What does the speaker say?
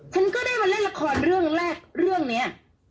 ฉันก็ได้มาเล่นละครเรื่องแรกเรื่องนี้